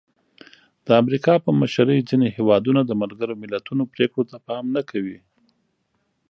د امریکا په مشرۍ ځینې هېوادونه د ملګرو ملتونو پرېکړو ته پام نه کوي.